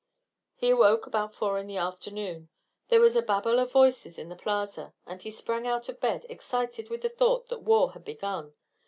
He awoke about four in the afternoon. There was a babel of voices in the plaza, and he sprang out of bed, excited with the thought that war had begun.